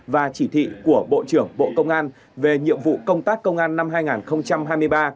và chỉ thị của bộ trưởng bộ công an về nhiệm vụ công tác công an năm hai nghìn hai mươi ba